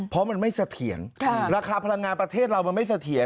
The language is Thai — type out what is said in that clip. เพราะมันไม่เสถียรราคาพลังงานประเทศเรามันไม่เสถียร